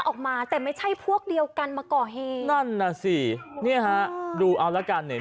ออกมาแต่ไม่ใช่พวกเดียวกันมาก่อเหตุนั่นน่ะสิเนี่ยฮะดูเอาละกันเนี่ย